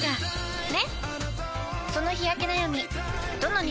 ねっ！